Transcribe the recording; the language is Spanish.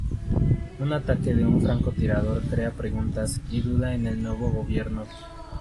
Un ataque de un francotirador crea preguntas y dudas en el nuevo gobierno.